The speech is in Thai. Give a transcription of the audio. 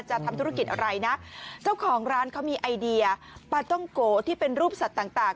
ทำธุรกิจอะไรนะเจ้าของร้านเขามีไอเดียปลาต้องโกที่เป็นรูปสัตว์ต่างต่าง